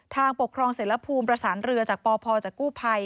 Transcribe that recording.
ทางปกครองเสรภูมิประสานเรือจากปพจากกู้ภัย